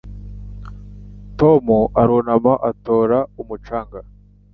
Tom arunama atora umucanga.